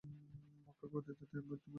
মক্কায় কর্তৃত্বের ভিত্তি মজবুত করতে ব্যস্ত।